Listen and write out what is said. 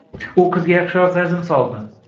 U qizga yaxshiroq razm soldi.